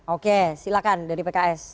oke silakan dari pks